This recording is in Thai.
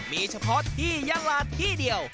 มีเฉพาะที่ยาลาที่เดียว